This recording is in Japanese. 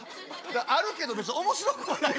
あるけど別におもしろくはない。